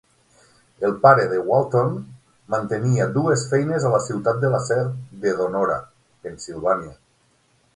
El pare de Walton mantenia dues feines a la ciutat de l'acer de Donora, Pensilvania.